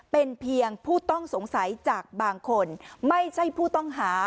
เป็นเพียงผู้ต้องสงสัยจากบางคนไม่ใช่ผู้ต้องหา